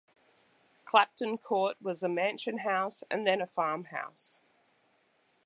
Clapton court was a mansion house and then a farmhouse.